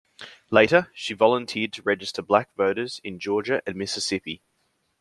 Later, she volunteered to register black voters in Georgia and Mississippi.